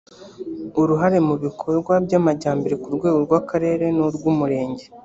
uruhare mu bikorwa by amajyambere ku rwego rw akarere n urw umurenge